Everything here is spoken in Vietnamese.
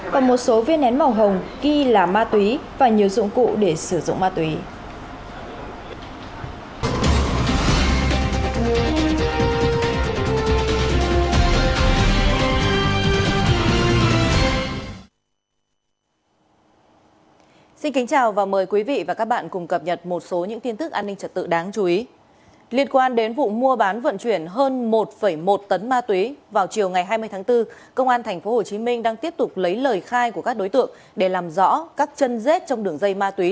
và một số viên nén màu hồng ghi là ma túy và nhiều dụng cụ để sử dụng ma túy